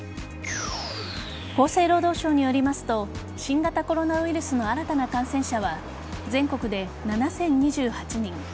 厚生労働省によりますと新型コロナウイルスの新たな感染者は全国で７０２８人